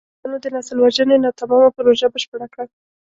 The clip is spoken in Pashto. دوی د پښتنو د نسل وژنې ناتمامه پروژه بشپړه کړه.